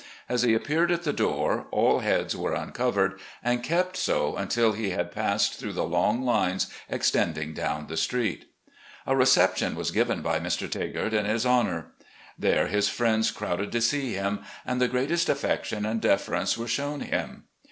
As he appeared at the door, all heads were uncovered and kept so \mtil he had passed through the long lines extending down the street. A reception was given by Mr. Tagart in his honour. 348 RECOLLECTIONS OP GENERAL LEE There his Mends crowded to see him, and the greatest affection and deference were shown him.